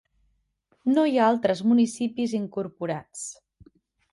No hi ha altres municipis incorporats.